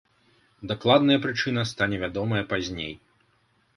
Дакладная прычына стане вядомая пазней.